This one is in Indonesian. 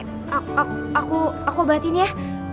eh aku aku aku obatin ya